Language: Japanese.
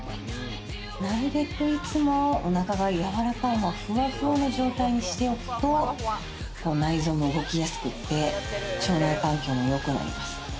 なるべくいつも、おなかが柔らかい、ふわふわな状態にしておくと内臓も動きやすくって、腸内環境もよくなります。